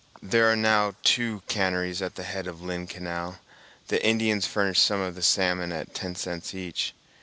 There are now two canneries at the head of Lynn Canal. The Indians furnish some of the salmon at ten cents each.